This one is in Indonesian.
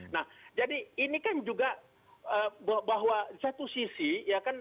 nah jadi ini kan juga bahwa satu sisi ya kan